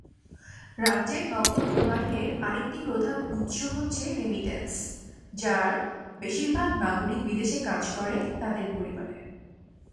রাজ্যের নগদ প্রবাহের আরেকটি প্রধান উৎস হচ্ছে রেমিটেন্স, যার বেশিরভাগ নাগরিক বিদেশে কাজ করে, তাদের পরিবারে।